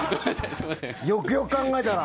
よくよく考えたら。